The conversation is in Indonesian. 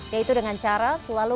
yaitu dengan cara selalu